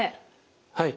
はい。